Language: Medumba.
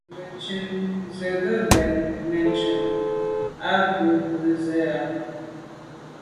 Mɛ̀ntchìn gə̀ rə̌ nə̀ bə́ mɛ̀ntchìn á bû jû zə̄ à rə̂.